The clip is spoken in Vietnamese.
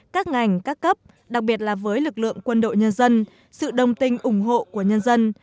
các ngành các cấp đặc biệt là với lực lượng quân đội nhân dân sự đồng tình ủng hộ của nhân dân